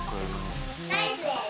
ナイスです。